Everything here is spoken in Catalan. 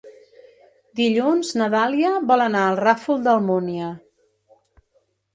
Dilluns na Dàlia vol anar al Ràfol d'Almúnia.